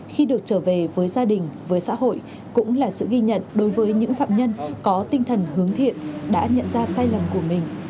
khi được trở về với gia đình với xã hội cũng là sự ghi nhận đối với những phạm nhân có tinh thần hướng thiện đã nhận ra sai lầm của mình